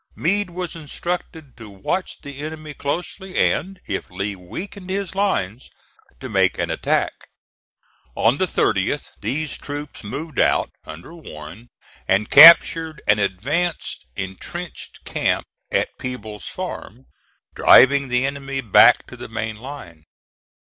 Meade was instructed to watch the enemy closely and, if Lee weakened his lines, to make an attack. On the 30th these troops moved out, under Warren, and captured an advanced intrenched camp at Peeble's farm, driving the enemy back to the main line.